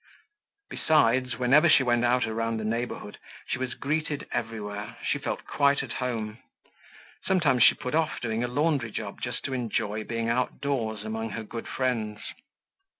Besides, whenever she went out around the neighborhood, she was greeted everywhere. She felt quite at home. Sometimes she put off doing a laundry job just to enjoy being outdoors among her good friends.